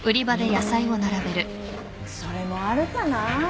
うんそれもあるかな。